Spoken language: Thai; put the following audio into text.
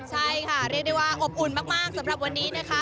ใช่ค่ะเรียกได้ว่าอบอุ่นมากสำหรับวันนี้นะคะ